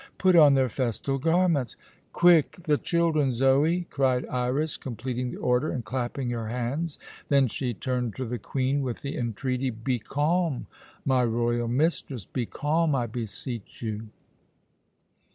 "Put on their festal garments." "Quick the children, Zoe!" cried Iras, completing the order and clapping her hands. Then she turned to the Queen with the entreaty: "Be calm, my royal mistress, be calm, I beseech you.